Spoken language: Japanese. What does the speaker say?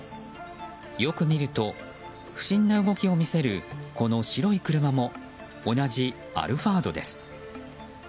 よく見ると不審な動きを見せるこの白い車も同じアルファードです。